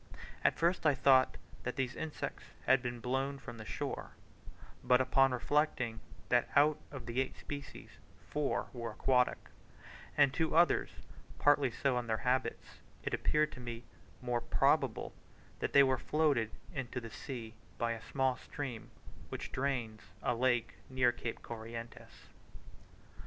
At first I thought that these insects had been blown from the shore; but upon reflecting that out of the eight species four were aquatic, and two others partly so in their habits, it appeared to me most probable that they were floated into the sea by a small stream which drains a lake near Cape Corrientes.